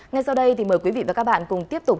ngay sau đây thì mời quý vị và các bạn cùng tiếp tục